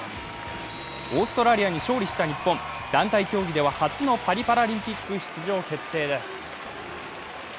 オーストラリアに勝利した日本、団体競技では初のパリパラリンピック出場決定です。